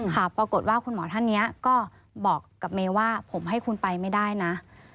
ปรากฏว่าคุณหมอท่านนี้ก็บอกกับเมย์ว่าผมให้คุณไปไม่ได้นะ